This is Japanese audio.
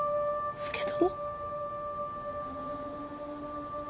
佐殿。